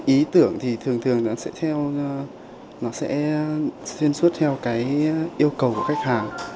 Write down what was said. ý tưởng thì thường thường nó sẽ theo nó sẽ xuyên suốt theo cái yêu cầu của khách hàng